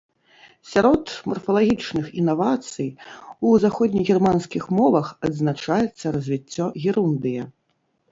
Сярод марфалагічных інавацый у заходнегерманскіх мовах адзначаецца развіццё герундыя.